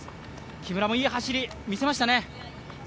木村もいい走り見せましたね。